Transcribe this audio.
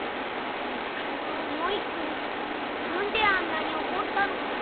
きのうモイくんなんであんなにおこったのかな？